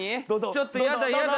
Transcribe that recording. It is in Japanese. ちょっとやだやだ。